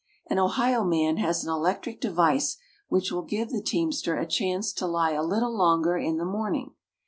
An Ohio man has an electric device which will give the teamster a chance to lie a little longer in the morning.